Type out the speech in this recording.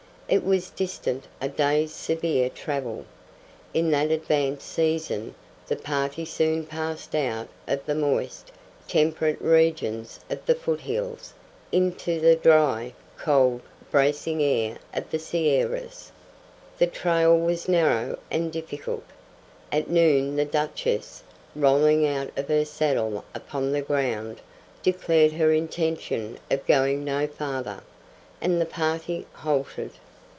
It was distant a day's severe travel. In that advanced season, the party soon passed out of the moist, temperate regions of the foothills into the dry, cold, bracing air of the Sierras. The trail was narrow and difficult. At noon the Duchess, rolling out of her saddle upon the ground, declared her intention of going no farther, and the party halted.